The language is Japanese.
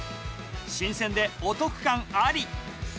新鮮でお得感あり。